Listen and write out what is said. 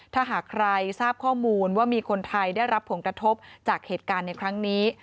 ถ้าหากใครทราบข้อมูลว่ามีคนไทยได้รับผลกระทบจากเหตุการณ์ในครั้งนี้